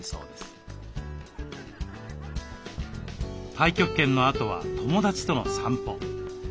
太極拳のあとは友だちとの散歩。